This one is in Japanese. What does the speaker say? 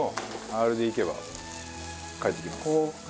アールでいけば返ってきます。